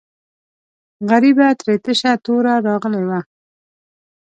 غریبه ترې تشه توره راغلې وه.